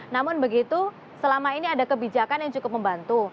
namun begitu selama ini ada kebijakan yang cukup membantu